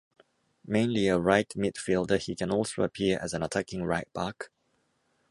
Mainly a right midfielder, he can also appear as an attacking right back.